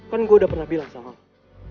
kan gue udah pernah bilang sama aku